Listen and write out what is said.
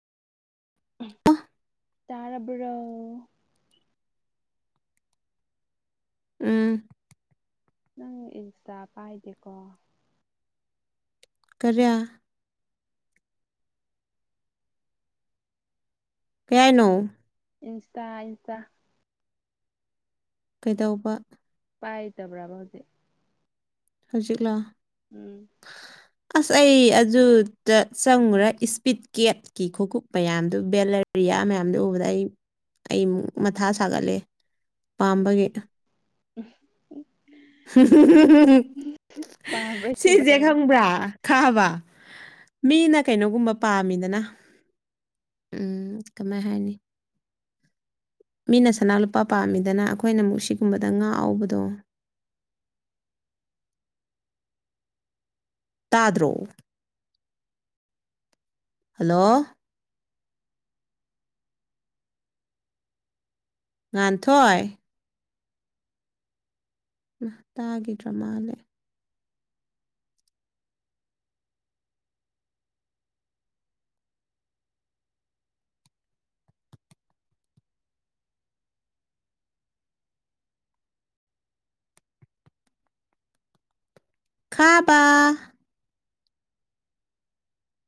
ꯑꯥ ꯇꯥꯔꯥꯕꯔꯣ꯫ ꯎꯝ꯫ ꯅꯪ ꯏꯟꯁꯇꯥ ꯄꯥꯏꯗꯦꯀꯣ? ꯀꯔꯤ? ꯀꯩꯍꯥꯢꯅꯣ? ꯏꯟꯁꯇꯥ-ꯏꯟꯁꯇꯥ꯫ ꯀꯩꯗꯧꯕ꯫ ꯄꯥꯏꯗꯕ꯭ꯔꯕ ꯍꯧꯖꯤꯛ? ꯍꯧꯖꯤꯛꯂꯣ? ꯎꯝ꯫ ꯑꯁ ꯑꯩ ꯑꯗꯨꯗ ꯆꯪꯉꯨꯔꯦ ꯏꯁꯄꯤꯠ ꯀꯦꯠ ꯀꯤ ꯈꯨꯡꯉꯨꯞ ꯃꯌꯥꯝꯗꯨ ꯕꯦꯂꯦꯔꯤꯌꯥ ꯃꯌꯥꯝꯗꯨ ꯎꯕꯗ ꯑꯩ꯫ ꯑꯩ ꯃꯊꯥ ꯁꯥꯒꯠꯂꯦ꯫ ꯄꯥꯝꯕꯒꯤ꯫ ꯎꯝ ꯄꯥꯕꯩꯅꯦꯕ ꯁꯤꯖꯦ ꯇꯧꯔꯤ ꯈꯪꯕ꯭ꯔꯥ? ꯈꯪꯡꯕ ꯃꯤꯅ ꯀꯩꯅꯣꯒꯨꯝꯕ ꯄꯥꯝꯃꯤꯗꯅ꯫ ꯎꯝ ꯀꯃꯥꯏ ꯍꯥꯏꯅꯤ꯫ ꯃꯤꯅ ꯁꯅꯥ ꯂꯨꯄꯥ ꯄꯥꯝꯃꯤꯗꯅ ꯑꯩꯈꯣꯏꯅ ꯑꯃꯨꯛ ꯁꯤꯒꯨꯝꯕꯗ ꯉꯥꯎꯍꯕꯗꯣ꯫ ꯇꯥꯗ꯭ꯔꯣ? ꯍꯜꯂꯣ꯫ ꯉꯥꯟꯊꯣꯏ꯫ ꯢꯃꯥ ꯇꯥꯈꯤꯗ꯭ꯔ ꯃꯥꯜꯂꯦ꯫ ꯈꯥꯕ꯫